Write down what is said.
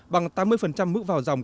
bằng tám mươi mức vào dòng